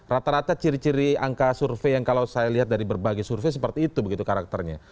rata rata ciri ciri angka survei yang kalau saya lihat dari berbagai survei seperti itu begitu karakternya